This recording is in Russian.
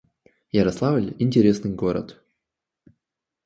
Ярославль — интересный город